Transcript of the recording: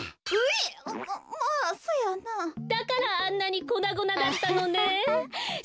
だからあんなにこなごなだったのね。